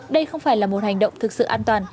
đây không phải là một hành động thực sự an toàn